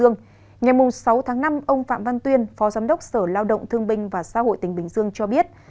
năm ông phạm văn tuyên phó giám đốc sở lao động thương bình và xã hội tỉnh bình dương cho biết